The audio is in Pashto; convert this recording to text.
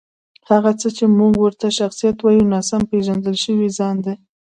هغه څه چې موږ ورته شخصیت وایو، ناسم پېژندل شوی ځان دی.